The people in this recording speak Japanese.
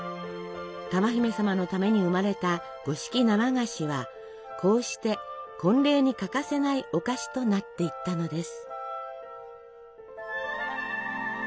珠姫様のために生まれた五色生菓子はこうして婚礼に欠かせないお菓子となっていったのです。